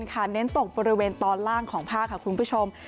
เน้นตกบริเวณตอนล่างของภาคค่ะคุณผู้ชม